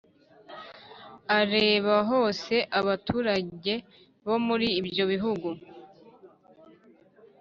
areba hose abaturage bo muri ibyo bihugu